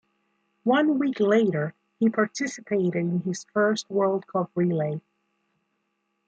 One week later he participated in his first world cup relay.